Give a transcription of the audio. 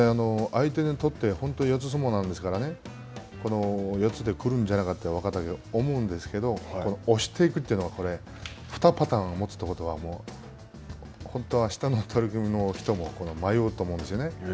相手にとって、本当に四つ相撲なんですからこの四つで来るんじゃないかって若隆景は思うんですけど、押していくというのがこれ２パターンを持つということは、本当にあしたの取組の人も迷うと思うんですよね。